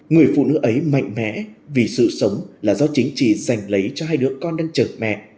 người phụ nữ ấy mạnh mẽ vì sự sống là do chính trị dành lấy cho hai đứa con đang trượt mẹ